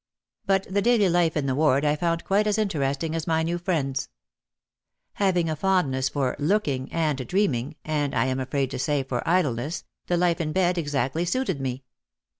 But the daily life in the ward I found quite as inter esting as my new friends. Having a fondness for "look ing" and dreaming and, I am afraid to say, for idleness, the life in bed exactly suited me.